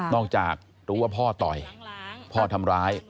จากรู้ว่าพ่อต่อยพ่อทำร้าย